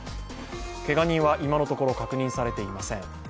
けが人は今のところ、確認されていません。